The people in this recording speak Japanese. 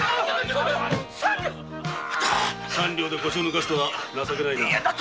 三両で腰を抜かすとは情けないな。